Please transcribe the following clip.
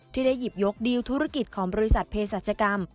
ที่ได้หยิบยกดิลธุรกิจของบริษัทเพศรัชกรรม